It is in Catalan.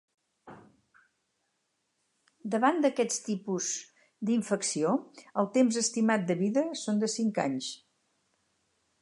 Davant d’aquest tipus d’infecció el temps estimat de vida són de cinc anys.